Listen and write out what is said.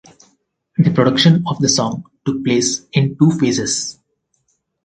The production of the song took place in two phases.